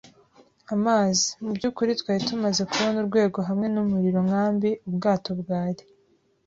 amazi; mubyukuri, twari tumaze kubona urwego hamwe numuriro-nkambi. Ubwato bwari